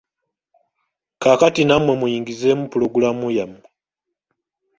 Kaakati nnammwe muyingizeemu puloguraamu yammwe.